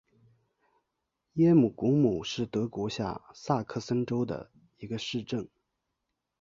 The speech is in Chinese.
耶姆古姆是德国下萨克森州的一个市镇。